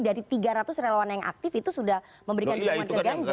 dari tiga ratus relawan yang aktif itu sudah memberikan dukungan ke ganjar